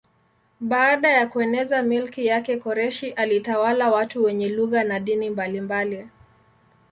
Baada ya kueneza milki yake Koreshi alitawala watu wenye lugha na dini mbalimbali.